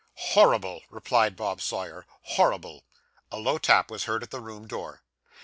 'Horrible,' replied Bob Sawyer, 'horrible.' A low tap was heard at the room door.